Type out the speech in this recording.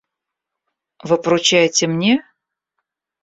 Вы поручаете мне?